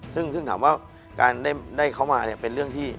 ซึ่งถามว่าการได้เขามาเป็นเรื่องที่